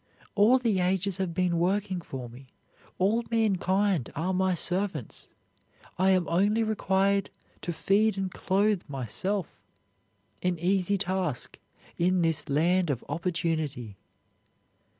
All the ages have been working for me; all mankind are my servants. I am only required to feed and clothe myself, an easy task in this land of opportunity.